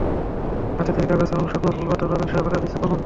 হাতে তৈরি কাগজ এবং শুকনো ফুল পাতা পাবেন শাহবাগের আজিজ সুপার মার্কেটে।